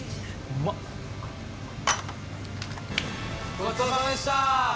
ごちそうさまでした。